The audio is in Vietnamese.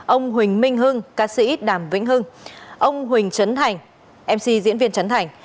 ông huỳnh minh hưng ông huỳnh trấn thành